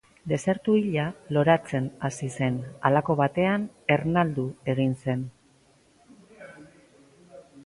Desertu hila loratzen hasi zen, halako batean ernaldu egin zen.